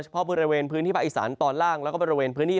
เพราะบริเวณพื้นที่ภาคอีสานตอนล่างแล้วก็บริเวณพื้นที่